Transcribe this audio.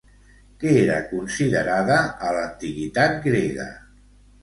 Què era considerada a l'antiguitat grega?